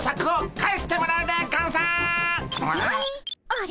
あれ？